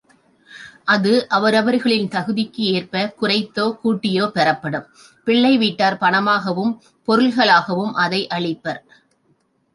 அது அவரவர்களின் தகுதிக்கேற்பக் குறைத்தோ கூட்டியோ பெறப்படும், பிள்ளை வீட்டார் பணமாகவும், பொருள்களாகவும் இதை அளிப்பர்.